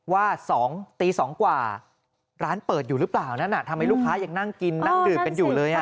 ว่า๒ตี๒กว่าร้านเปิดอยู่หรือเปล่านั้นทำให้ลูกค้ายังนั่งกินนั่งดื่มกันอยู่เลย